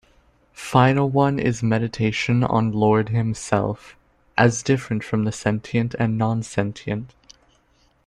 Final one is meditation on Lord Himself, as different from the sentient and non-sentient.